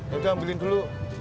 ya udah ambilin dulu